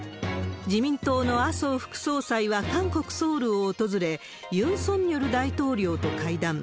自民党の麻生副総裁は韓国・ソウルを訪れ、ユン・ソンニョル大統領と会談。